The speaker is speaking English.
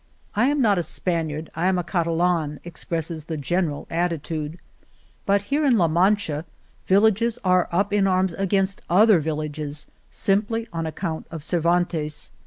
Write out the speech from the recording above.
*♦ I am not a Span iard, I am a Catalan," expresses the general attitude. But here, in La Mancha, villages 53 Argamasilla are up in arms against other villages, simply on account of Cervantes.